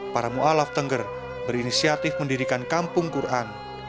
para mu'alaf tengger berinisiatif mendirikan kampung quran